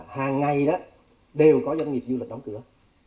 hàng ngày đó đều có doanh nghiệp du lịch đóng cửa